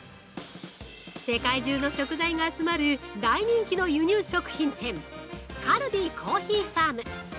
世界中の食材が集まる大人気の輸入食品店カルディコーヒーファーム。